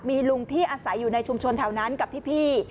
มีลุงที่อาศัยอยู่ในชุมชนแถวนั้นกับพี่